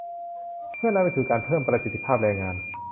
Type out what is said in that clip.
เพื่อนำไปสู่การเพิ่มประสิทธิภาพแรงงาน